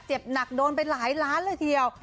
เจ็บหนักโดนไปหลายล้านเลยทีเดียว